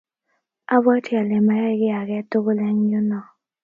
Abwoti ale maiyai kiy age tugul eng' yuno